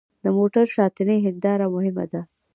د موټر شاتنۍ هېنداره مهمه ده.